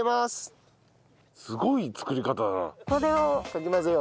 すごい作り方だな。